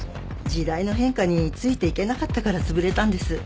時代の変化についていけなかったからつぶれたんです。